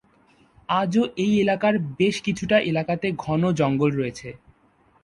আজও এই এলাকার বেশ কিছুটা এলাকাতে ঘন জঙ্গল রয়েছে।